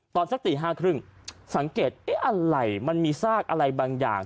สักตี๕๓๐สังเกตเอ๊ะอะไรมันมีซากอะไรบางอย่าง